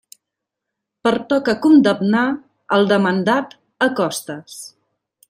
Pertoca condemnar el demandat a costes.